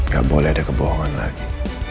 gak boleh ada kebohongan lagi